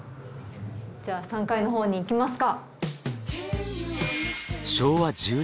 じゃあ３階のほうに行きますか。